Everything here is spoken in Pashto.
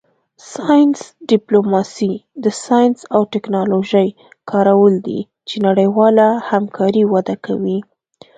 ساینس ډیپلوماسي د ساینس او ټیکنالوژۍ کارول دي چې نړیواله همکاري وده کوي